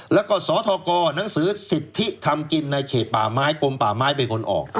แล้วก็สทกหนังสือสิทธิทำกินในเขตป่าไม้กลมป่าไม้เป็นคนออก